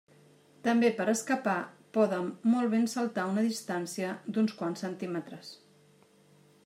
També per escapar, poden molt ben saltar una distància d'uns quants centímetres.